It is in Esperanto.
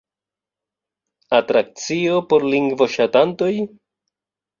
Atrakcio por lingvoŝatantoj?